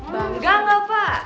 bangga gak pak